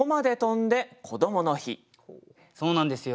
そうなんですよ